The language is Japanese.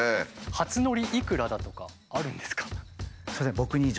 初乗りいくらだとかあるんですか？